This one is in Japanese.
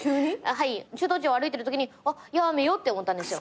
はい駐屯地を歩いてるときにやーめよって思ったんですよ。